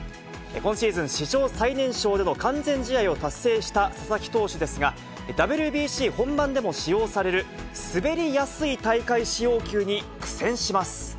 今シーズン史上最年少での完全試合を達成した佐々木投手ですが、ＷＢＣ本番でも使用される、滑りやすい大会使用球に苦戦します。